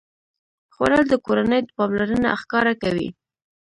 خوړل د کورنۍ پاملرنه ښکاره کوي